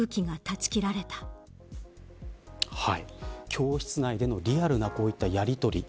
教室内でのリアルなこういったやりとり。